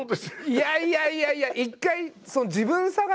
いやいやいやいや！